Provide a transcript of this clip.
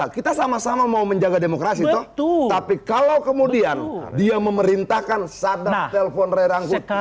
kita sama sama mau menjaga demokrasi betul tapi kalau kemudian dia memerintahkan sadar telepon rai